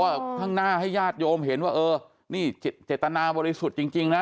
ข้างหน้าให้ญาติโยมเห็นว่าเออนี่เจตนาบริสุทธิ์จริงนะ